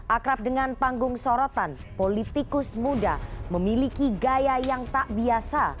akrab dengan panggung sorotan politikus muda memiliki gaya yang tak biasa